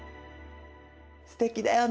すてきだよね。